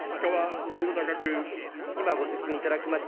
今、ご説明いただきました